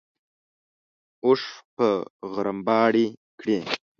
اوښ به غرمباړې کړې.